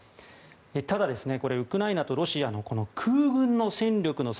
ただ、ウクライナとロシアの空軍の戦力の差